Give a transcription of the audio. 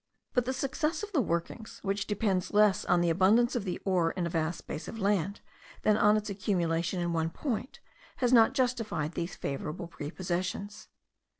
But the success of the workings, which depends less on the abundance of the ore in a vast space of land than on its accumulation in one point, has not justified these favourable prepossessions.